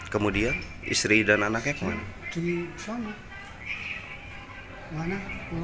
kemudian istri dan anaknya ke mana